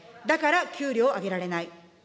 だから給料を上げられない。